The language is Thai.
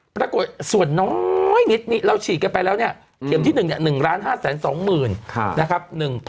ปรากฏส่วนน้อยนิดนี้เราฉีดกันไปแล้วเนี่ยเข็มที่๑๑๕๒๐๐๐นะครับ